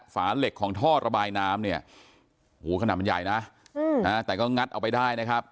ฝาเหล็กของท่อระบายน้ำเนี่ยโหขนาดมันใหญ่นะแต่ก็งัดเอาไปได้นะครับ